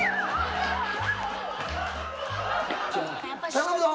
「頼むぞ。